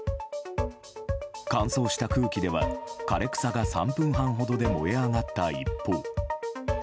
乾燥した空気では枯れ草が３分半ほどで燃え上がった一方。